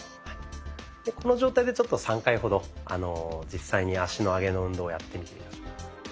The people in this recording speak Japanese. でこの状態でちょっと３回ほど実際に脚の上げの運動をやってみて下さい。